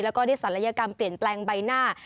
แล้วก็ได้ศัลยกรรมเปลี่ยนแปลงใบหน้า